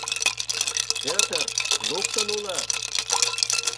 Пӧтыр. луктын улыт!